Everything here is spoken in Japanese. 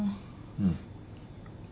うん。